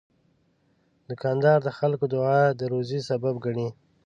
دوکاندار د خلکو دعا د روزي سبب ګڼي.